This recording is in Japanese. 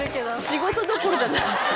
仕事どころじゃない。